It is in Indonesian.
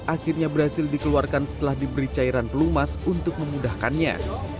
akhirnya berhasil dikeluarkan setelah diberi cairan pelumas untuk memudahkannya